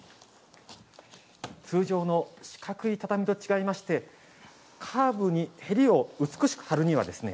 通常の四角い畳と違いましてカーブに縁を美しく張るにはですね